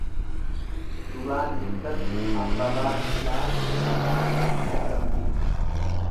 Duraan dursatti Abbabaa Biqilaatu madaaliyaa argamsiise.